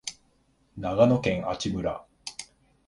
長野県阿智村